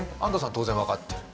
当然分かってる？